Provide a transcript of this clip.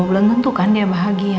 belum tentu kan dia bahagia